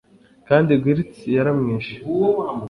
kandi guilts yaramwishe